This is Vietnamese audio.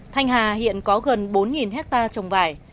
thanh hà hiện có gần bốn hectare trồng vải